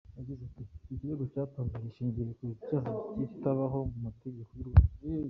Yagize ati“Icyo kirego cyatanzwe gishingiye ku cyaha kitabaho mu mategeko y’u Rwanda.